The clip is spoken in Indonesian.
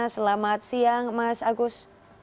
selamat siang mas agus